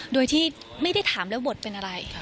โดยที่ไม่ได้ถามแล้วบทเป็นอะไร